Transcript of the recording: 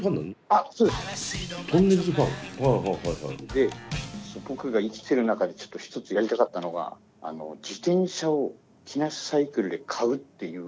で僕が生きてる中でちょっと一つやりたかったのが自転車を木梨サイクルで買うっていう。